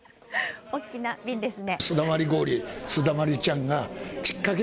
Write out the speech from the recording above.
大きな瓶ですね。